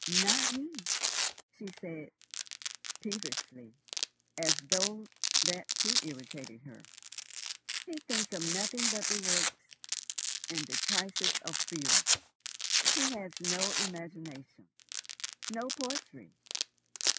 "Not he," she said peevishly, as though that too irritated her. "He thinks of nothing but the works and the prices of fuel. He has no imagination, no poetry."